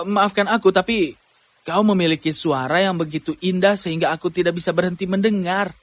maafkan aku tapi kau memiliki suara yang begitu indah sehingga aku tidak bisa berhenti mendengar